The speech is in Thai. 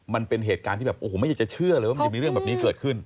มันเป็นเหตุการณ์ที่แบบโอ้โหไม่อยากจะเชื่อเลยว่ามันจะมีเรื่องแบบนี้เกิดขึ้น